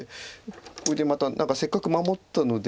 これでまた何かせっかく守ったので。